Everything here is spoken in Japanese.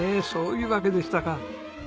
そういうわけでしたか。